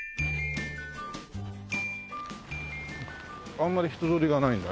あんまり人通りがないんだね。